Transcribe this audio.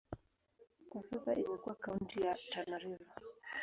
Kwa sasa imekuwa kaunti ya Tana River.